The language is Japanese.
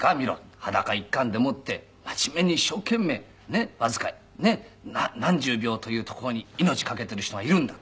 「裸一貫でもって真面目に一生懸命ねっわずか何十秒というところに命かけている人がいるんだ」。